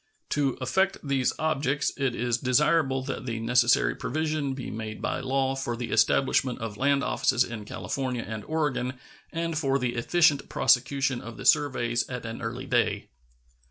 To effect these objects it is desirable that the necessary provision be made by law for the establishment of land offices in California and Oregon and for the efficient prosecution of the surveys at an early day.